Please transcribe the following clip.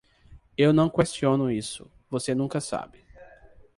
Eu não questiono isso, você nunca sabe.